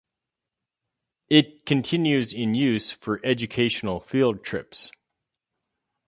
It continues in use for educational field trips.